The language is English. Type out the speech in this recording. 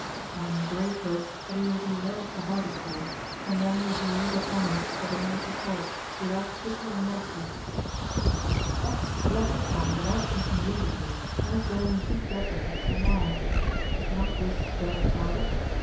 I am in great hope that he will be well provided for, and then we will live upon him at the Marischal College, without pity or modesty. ' left the town without taking leave of me, and is gone in deep dudgeon to . Is not this very childish?